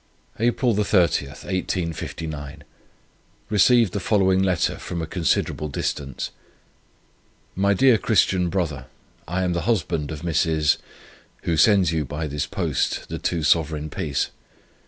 "April 30 . Received the following letter from a considerable distance: 'My dear Christian Brother, I am the husband of Mrs. who sends you by this post the two Sovereign piece.